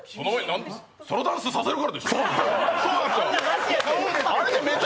ソロダンスさせるからでしょ！